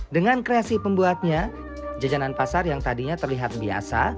dengan kreasi pembuatnya jajanan pasar yang tadinya terlihat biasa